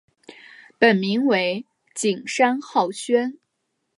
本名为景山浩宣。